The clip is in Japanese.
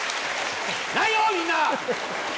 ないよ、みんな。